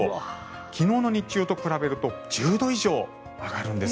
昨日の日中と比べると１０度以上上がるんです。